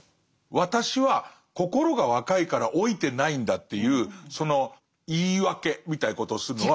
私は心が若いから老いてないんだっていうその言い訳みたいなことをするのは。